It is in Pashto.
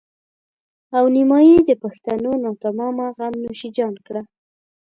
او نيمایي د پښتنو ناتمامه غم نوش جان کړه.